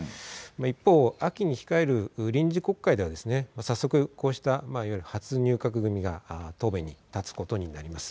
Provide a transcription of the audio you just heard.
一方、秋に控える臨時国会では早速、こうしたいわゆる初入閣組が答弁に立つことになります。